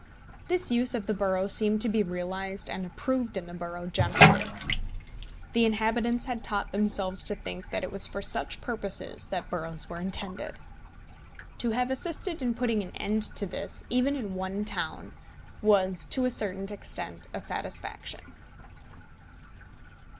This use of the borough seemed to be realised and approved in the borough generally. The inhabitants had taught themselves to think that it was for such purposes that boroughs were intended! To have assisted in putting an end to this, even in one town, was to a certain extent a satisfaction.